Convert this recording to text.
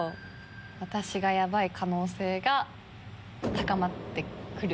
私がヤバい可能性が高まって来る。